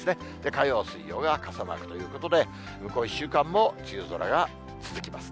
火曜、水曜が傘マークということで、向こう１週間も梅雨空が続きます。